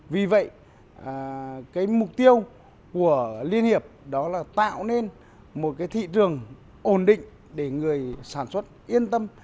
vì vậy cái mục tiêu của liên hiệp đó là tạo nên một cái thị trường ổn định để người sản xuất yên tâm